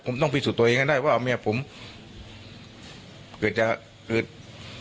ผมต้องพิสูจน์ตัวเองให้ได้ว่าเมียผมเกิดจะเกิด